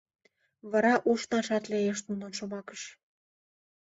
Вара ушнашат лиеш нунын шомакыш.